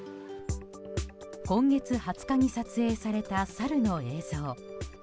今月２０日に撮影されたサルの映像。